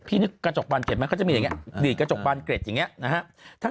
พี่นึกกระจกบานเกร็ดมั้ยเขาจะมีอย่างเงี้ยดีดกระจกบานเกร็ดอย่างเงี้ย